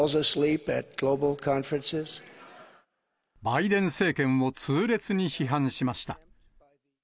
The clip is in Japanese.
バイデン政権を痛烈に批判しました。